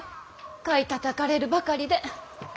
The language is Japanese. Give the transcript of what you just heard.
買いたたかれるばかりで。